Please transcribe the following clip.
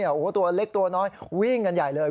โอ้โหตัวเล็กตัวน้อยวิ่งกันใหญ่เลย